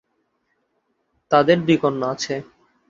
তাদের দুই কন্যা আছে।